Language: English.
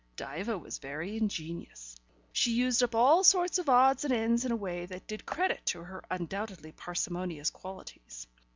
Diva was very ingenious: she used up all sorts of odds and ends in a way that did credit to her undoubtedly parsimonious qualities.